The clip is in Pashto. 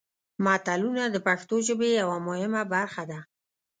متلونه د پښتو ژبې یوه مهمه برخه ده